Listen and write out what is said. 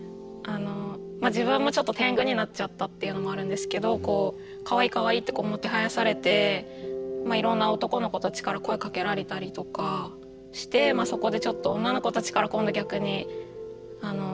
自分もちょっとてんぐになっちゃったっていうのもあるんですけどかわいいかわいいってもてはやされていろんな男の子たちから声かけられたりとかしてそこでちょっと女の子たちから今度逆にあの。